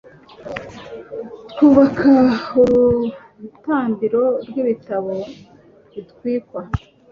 twubaka urutambiro rw'ibitambo bitwikwa